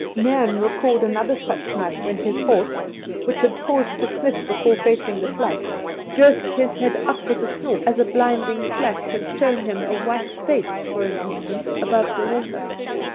Nairn recalled another such night when his horse, which had paused to sniff before facing the flood, jerked his head up with a snort as a blinding flash had shown him a white face for an instant above the water.